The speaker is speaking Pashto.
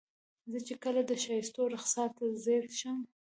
زه چې کله د ښایستونو رخسار ته ځیر شم.